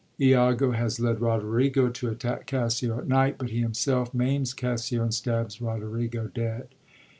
lago has led Roderigo to attack Cassio at night, but he himself maims Cassio, and stabs Roderigo dead.